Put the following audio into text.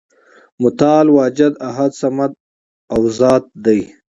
متعال واجد، احد، صمد او ذات دی ،